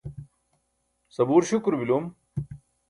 sabuur śukuro bilum